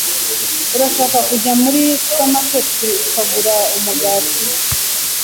Urashaka kujya muri supermarket ukagura umugati?